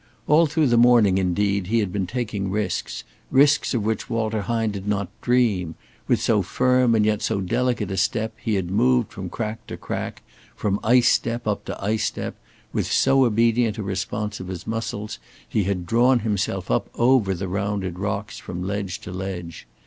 All through the morning, indeed, he had been taking risks, risks of which Walter Hine did not dream; with so firm and yet so delicate a step he had moved from crack to crack, from ice step up to ice step; with so obedient a response of his muscles, he had drawn himself up over the rounded rocks from ledge to ledge.